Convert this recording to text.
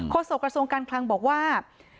โศกระทรวงการคลังบอกว่า